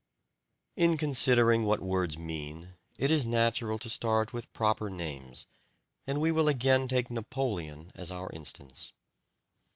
In considering what words mean, it is natural to start with proper names, and we will again take "Napoleon" as our instance.